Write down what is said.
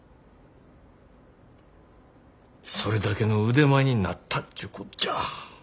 それだけの腕前になったちゅうこっちゃ。